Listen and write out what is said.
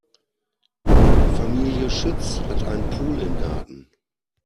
Familie Schütz hat einen Pool im Garten.